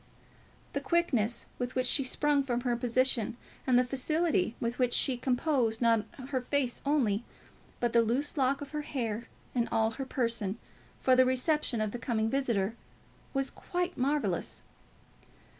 The quickness with which she sprung from her position, and the facility with which she composed not her face only, but the loose lock of her hair and all her person, for the reception of the coming visitor, was quite marvellous.